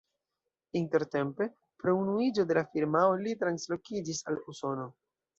Intertempe pro unuiĝo de la firmao li translokiĝis al Usono.